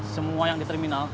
semua yang di terminal